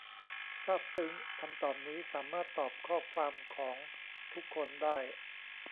ซาบซึ้ง คำตอบนี้ สามารถตอบข้อความของทุกคนได้